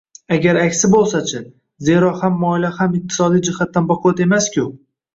Agar aksi boʻlsa-chi? Zero, hamma oila ham iqtisodiy jihatdan baquvvat emasku?!